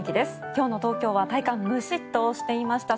今日の東京は体感ムシッとしていました。